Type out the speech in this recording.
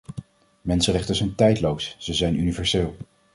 Mensenrechten zijn tijdloos; ze zijn universeel.